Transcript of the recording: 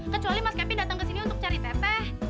kecuali mas kevin datang kesini untuk cari teteh